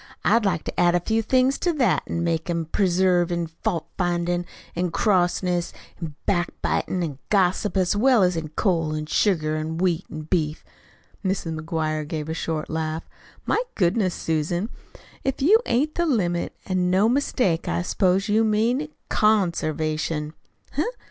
I'd like to add a few things to that, an' make 'em preserve in fault findin', an' crossness, an' backbitin', an' gossip, as well as in coal, an' sugar, an' wheat, an' beef." Mrs. McGuire gave a short laugh. "My goodness, Susan Betts, if you ain't the limit, an' no mistake! I s'pose you mean CONservation."